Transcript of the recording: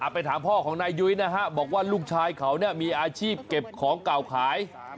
ไปถามพ่อของนายยุ้ยนะฮะบอกว่าลูกชายเขามีอาชีพเก็บของเก่าขาย